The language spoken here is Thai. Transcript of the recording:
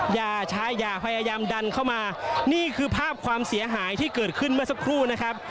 อย่าใช้อย่าพยายามดันเข้ามานี่คือภาพความเสียหายที่เกิดขึ้นเมื่อสักครู่นะครับ